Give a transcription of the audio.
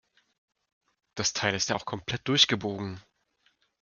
Das Teil ist ja auch komplett durchgebogen.